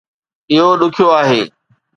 اهو ڏکيو آهي